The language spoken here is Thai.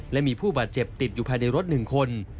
และมีผู้บาดเจ็บติดอยู่ภายในรถ๑คน